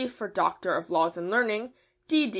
for Doctor of Laws and Learning, D.D.